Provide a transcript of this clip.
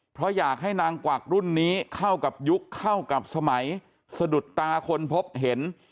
เพราะอยากให้นางกวักรุ่นนี้เข้ากับยุคเข้ากับสมัยสะดุดตาคนพบเห็น